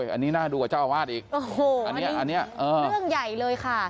อันนี้น่าดูกว่าเจ้าอาวาสอีกโอ้โหอันนี้เรื่องใหญ่เลยค่ะ